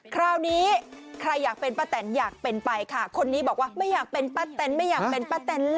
คราวนี้ใครอยากเป็นป้าแตนอยากเป็นไปค่ะคนนี้บอกว่าไม่อยากเป็นป้าแตนไม่อยากเป็นป้าแตน